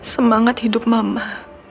semangat hidup mama